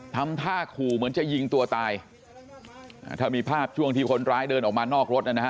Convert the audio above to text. ทำท่าขู่เหมือนจะยิงตัวตายอ่าถ้ามีภาพช่วงที่คนร้ายเดินออกมานอกรถนะฮะ